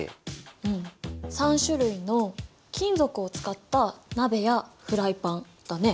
うん３種類の金属を使った鍋やフライパンだね。